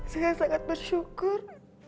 saya sangat bersyukur